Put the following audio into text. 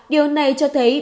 điều này cho thấy